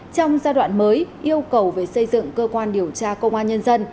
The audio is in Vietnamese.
trong giai đoạn mới yêu cầu về xây dựng cơ quan điều tra công an nhân dân